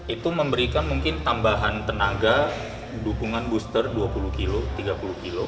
itu memberikan mungkin tambahan tenaga dukungan booster dua puluh kilo tiga puluh kilo